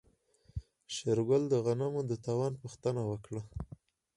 شېرګل د غنمو د تاوان پوښتنه وکړه.